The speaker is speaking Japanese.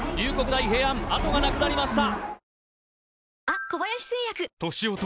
大平安後がなくなりました